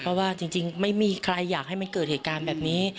เพราะว่าจริงไม่มีใครอยากให้มันเกิดเหตุการณ์แบบนี้